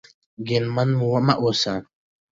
کینمن مه اوسئ.